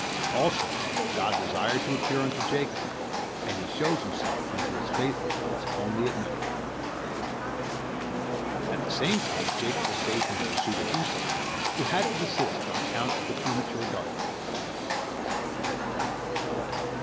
Also, God desired to appear unto Jacob, and He shows Himself unto His faithful ones only at night. At the same time Jacob was saved from the pursuit of Esau, who had to desist on account of the premature darkness.